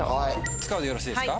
使うでよろしいですか？